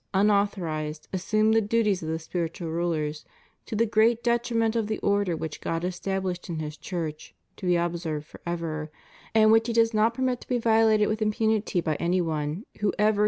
unauthorized, assume the duties of the spiritual rulers, to the great detriment of the order which God estabUshed in His Church to be observed forever, and which He does not permit to be violated with impunity by any one, whoever he may be.